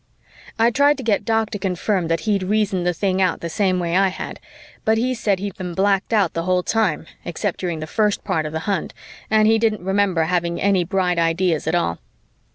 I tried to get Doc to confirm that he'd reasoned the thing out the same way I had, but he said he had been blacked out the whole time, except during the first part of the hunt, and he didn't remember having any bright ideas at all.